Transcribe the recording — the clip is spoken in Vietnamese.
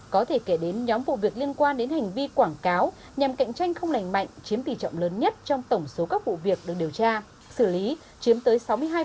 có thể kể đến nhóm vụ việc liên quan đến hành vi quảng cáo nhằm cạnh tranh không lành mạnh chiếm tỷ trọng lớn nhất trong tổng số các vụ việc được điều tra xử lý chiếm tới sáu mươi hai